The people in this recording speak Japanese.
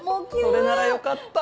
それならよかった！